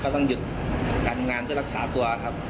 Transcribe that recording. ต้องหยุดการทำงานเพื่อรักษาตัวครับ